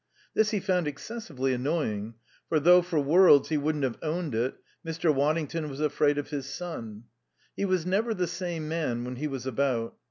This he found excessively annoying; for, though for worlds he wouldn't have owned it, Mr. Waddington was afraid of his son. He was never the same man when he was about.